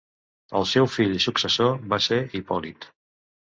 El seu fill i successor va ser Hipòlit.